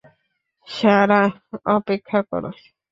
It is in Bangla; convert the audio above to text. সারা, অপেক্ষা করো।